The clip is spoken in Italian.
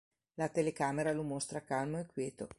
La telecamera lo mostra calmo e quieto.